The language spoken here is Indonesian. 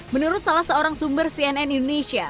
menurut salah seorang sumber cnn indonesia